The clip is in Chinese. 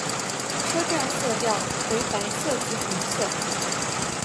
车站色调为白色及红色。